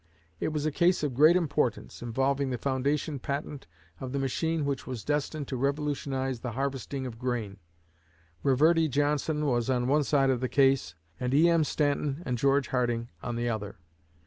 It was a case of great importance, involving the foundation patent of the machine which was destined to revolutionize the harvesting of grain. Reverdy Johnson was on one side of the case, and E.M. Stanton and George Harding on the other.